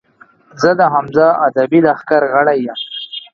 زۀ د حمزه ادبي لښکر غړے یم